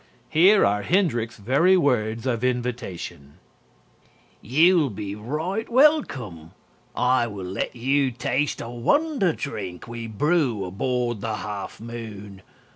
Here are Hendrick's very words of invitation: _You'll be right welcome. I will let you taste A wonder drink we brew aboard the Half Moon.